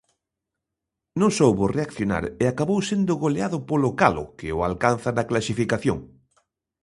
Non soubo reaccionar e acabou sendo goleado polo Calo, que o alcanza na clasificación.